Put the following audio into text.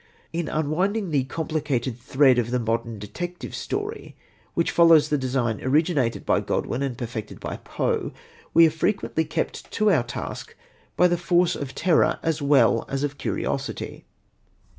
In unwinding the complicated thread of the modern detective story, which follows the design originated by Godwin and perfected by Poe, we are frequently kept to our task by the force of terror as well as of curiosity.